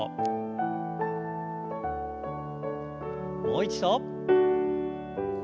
もう一度。